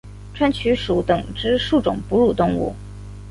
川鼩属等之数种哺乳动物。